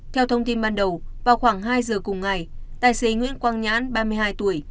theo thông tin ban đầu vào khoảng hai giờ cùng ngày tài xế nguyễn quang nhãn ba mươi hai tuổi